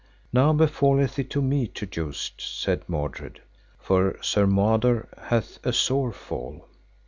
Now befalleth it to me to joust, said Mordred, for Sir Mador hath a sore fall.